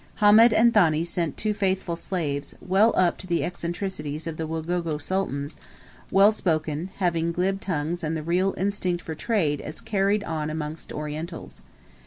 Hamed and Thani sent two faithful slaves, well up to the eccentricities of the Wagogo sultans well spoken, having glib tongues and the real instinct for trade as carried on amongst Orientals.